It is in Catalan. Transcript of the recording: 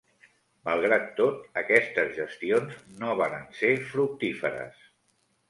Malgrat tot, aquestes gestions no varen ser fructíferes.